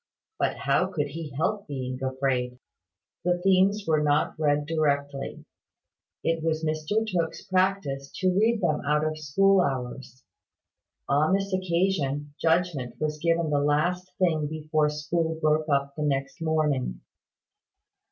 But how could he help being afraid? The themes were not read directly. It was Mr Tooke's practice to read them out of school hours. On this occasion, judgment was given the last thing before school broke up the next morning.